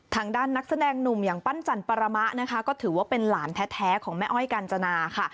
ทางด้านนักแสดงหนุ่มอย่างปั้นจันปรมะนะคะก็ถือว่าเป็นหลานแท้ของแม่อ้อยกาญจนาค่ะ